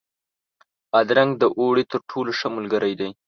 بادرنګ د اوړي تر ټولو ښه ملګری دی.